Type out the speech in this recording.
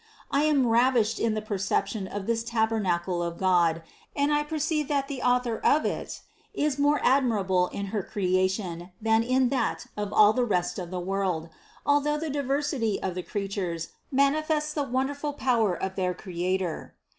I am ravished in the perception of this tabernacle of God, and I perceive that the Author of it is more admirable in her creation, than in that of all the rest of the world, although the diversity of the creatures manifests the wonderful power of their Creator.